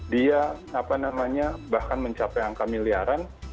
dia bahkan mencapai angka miliaran